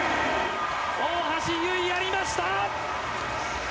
大橋悠依、やりました。